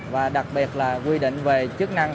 và đặc biệt là quy định về chức năng